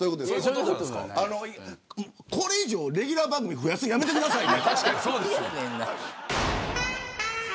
これ以上、レギュラー番組増やすの、やめてください。